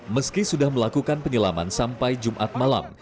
meski sudah melakukan penyelaman sampai jumat malam